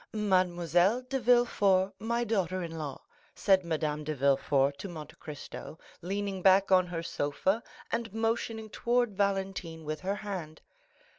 "Mademoiselle de Villefort, my step daughter," said Madame de Villefort to Monte Cristo, leaning back on her sofa and motioning towards Valentine with her hand.